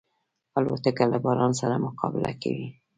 الوتکه له باران سره مقابله کوي.